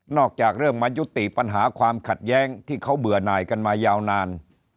จากเรื่องมายุติปัญหาความขัดแย้งที่เขาเบื่อหน่ายกันมายาวนาน